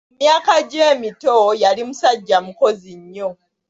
Mu myaka gye emito yali musajja mukozi nnyo.